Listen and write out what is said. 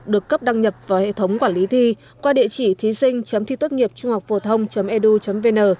được cấp đăng nhập vào hệ thống quản lý thi qua địa chỉ thísinh thitốtnghiệpchunghọcphổthông edu vn